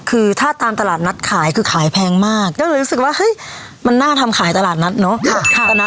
คือถ้าตามตลาดนัดขายคือขายแพงมากก็เลยรู้สึกว่าเฮ้ยมันน่าทำขายตลาดนัดเนอะ